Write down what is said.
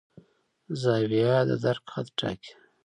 زاویه د درک حد ټاکي.